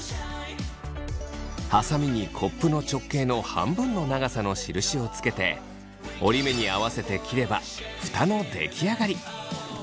ハサミにコップの直径の半分の長さの印をつけて折り目に合わせて切ればフタの出来上がり。